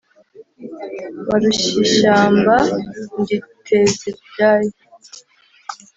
barushyishyamba ndi nteziryayo.